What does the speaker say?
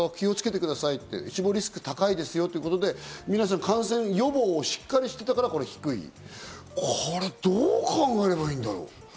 高齢者の方々は気をつけてくださいって、死亡リスク高いですよってことで、皆さん感染予防をしっかりしていたから低い、これどう考えればいいんだろう？